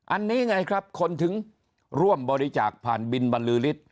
อันนี้ไงครับคนถึงร่วมบริจาคผ่านบินบรรลือฤทธิ